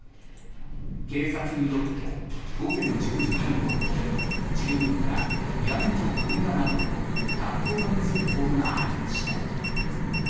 警察によると、午前１０時半ごろ住民から屋根が飛んだなどと１１０番通報がありました。